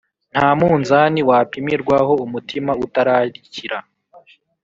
nta munzani wapimirwaho umutima utararikira.